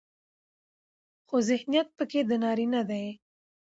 خو ذهنيت پکې د نارينه دى